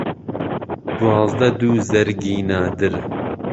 دوازدە دوو زەرگی نادر